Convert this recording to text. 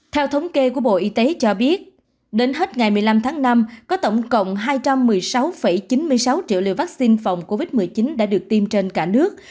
theo thống kê của bộ y tế cho biết đến hết ngày một mươi năm tháng năm có tổng cộng hai trăm một mươi sáu chín mươi sáu triệu liều vaccine phòng covid một mươi chín đã được tiêm trên cả nước